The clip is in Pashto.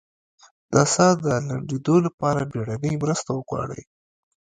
د ساه د لنډیدو لپاره بیړنۍ مرسته وغواړئ